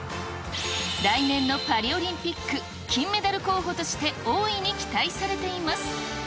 来年のパリオリンピック金メダル候補として、大いに期待されています。